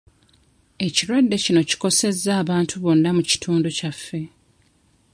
Ekirwadde kino kikosezza abantu bonna mu kitundu kyaffe.